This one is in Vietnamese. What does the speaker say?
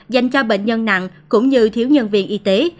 dành cho bệnh nhân nặng cũng như thiếu nhân viên y tế